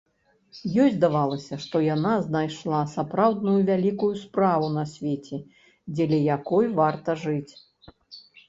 Ёй здавалася, што яна знайшла сапраўдную вялікую справу на свеце, дзеля якой варта жыць.